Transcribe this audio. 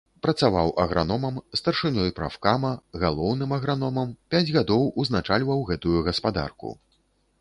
Працаваў аграномам, старшынёй прафкама, галоўным аграномам, пяць гадоў узначальваў гэтую гаспадарку.